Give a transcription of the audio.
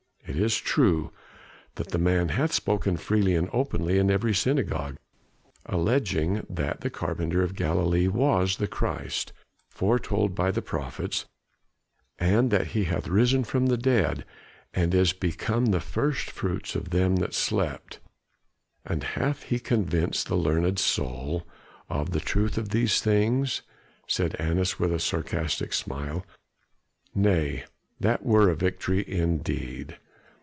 It is true that the man hath spoken freely and openly in every synagogue, alleging that the carpenter of Galilee was the Christ foretold by the Prophets, and that he hath risen from the dead and is become the first fruits of them that sleep." "And hath he convinced the learned Saul of the truth of these things?" said Annas with a sarcastic smile. "Nay, that were a victory indeed."